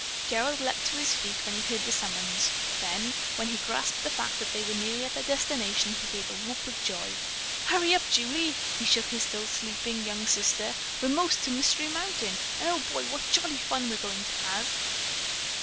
Gerald leaped to his feet when he heard the summons. Then, when he grasped the fact that they were nearly at their destination, he gave a whoop of joy. "Hurry up, Julie," he shook his still sleeping young sister. "We are 'most to Mystery Mountain, and, Oh, boy, what jolly fun we're going to have."